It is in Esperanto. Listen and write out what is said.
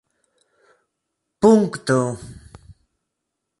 punkto